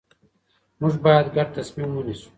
موږ باید ګډ تصمیم ونیسو